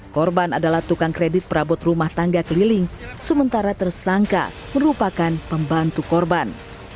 korban adalah tukang kredit perabot rumah tangga keliling sementara tersangka merupakan pembantu korban